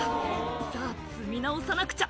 「さぁ積み直さなくちゃ」